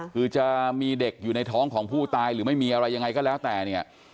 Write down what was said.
คือจะมีเด็กอยู่ในท้องของผู้ตายหรือไม่มีอะไรยังไงก็แล้วแต่เนี่ย